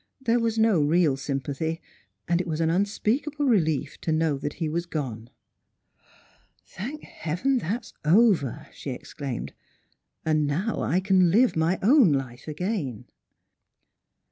There was no real sympathy, and it was an unspeakable relief to know that he was gone. " Thank heaven that's over! " she exclaimed ;" and now I can live my own life again."